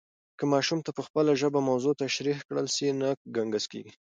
که ماشوم ته په خپله ژبه موضوع تشریح کړل سي، نه ګنګس کېږي.